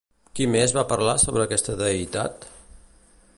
Qui més va parlar sobre aquesta deïtat?